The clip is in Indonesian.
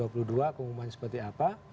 keumuman seperti apa